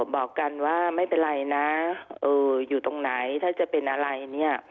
บอกกันว่าไม่เป็นไรนะอยู่ตรงไหนถ้าจะเป็นอะไรเนี่ย